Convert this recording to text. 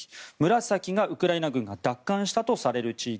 紫が、ウクライナ軍が奪還したとされる地域。